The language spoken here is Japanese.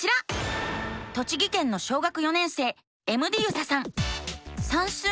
栃木県の小学４年生エムディユサさん。